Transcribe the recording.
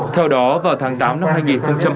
theo đó vào tháng tám